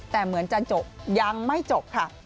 แต่เหมือนจันโจยังไม่จบค่ะ